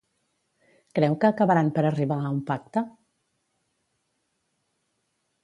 Creu que acabaran per arribar a un pacte?